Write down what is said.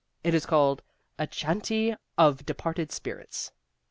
It is called A Chanty of Departed Spirits."